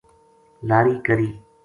لاری کری